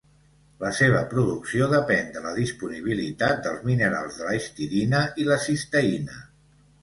La seva producció depèn de la disponibilitat dels minerals de la histidina i la cisteïna.